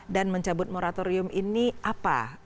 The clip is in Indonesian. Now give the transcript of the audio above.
dan mencabut moratorium ini apa